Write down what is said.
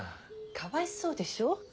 かわいそうでしょう。